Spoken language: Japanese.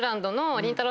りんたろー。。